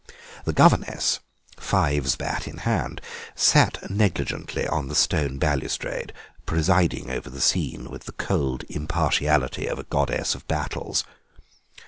The governess, fives bat in hand, sat negligently on the stone balustrade, presiding over the scene with the cold impartiality of a Goddess of Battles.